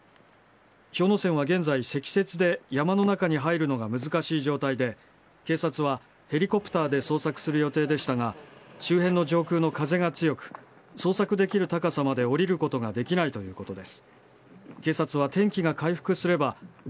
氷ノ山は現在、積雪で山の中に入るのが難しい状態で、警察はヘリコプターで捜索する予定でしたが、周辺の上空の風が強く、捜索できる高さまで下りることができないということです。